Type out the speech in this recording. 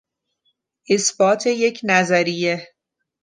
اثبات یک نظریه